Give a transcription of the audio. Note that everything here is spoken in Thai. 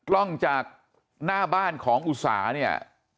กล้องจากหน้าบ้านของอุสาเนี่ย